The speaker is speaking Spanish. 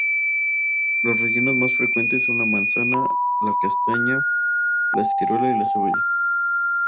Los rellenos más frecuentes son la manzana, la castaña, la ciruela y la cebolla.